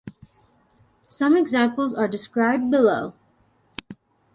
Some examples are described below.